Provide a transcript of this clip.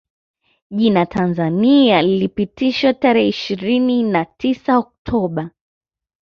Jina Tanzania lilipitishwa tarehe ishirini na tisa Oktoba